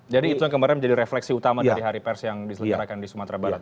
jadi itu yang kemarin menjadi refleksi utama dari hari pers yang diselenggarakan di sumatera barat